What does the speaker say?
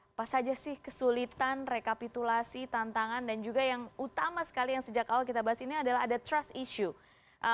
apa saja sih kesulitan rekapitulasi tantangan dan juga yang utama sekali yang sejak awal kita bahas ini adalah ada trust issue